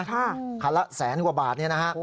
ครั้งละแสนกว่าบาท